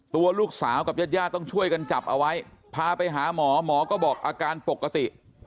ตัวลูกสาวกับญาติญาติต้องช่วยกันจับเอาไว้พาไปหาหมอหมอก็บอกอาการปกติ